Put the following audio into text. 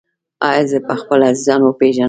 ایا زه به خپل عزیزان وپیژنم؟